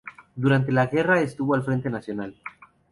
Durante la guerra estuvo al frente nacional.